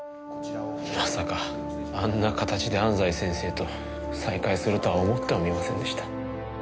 まさかあんな形で安西先生と再会するとは思ってもみませんでした。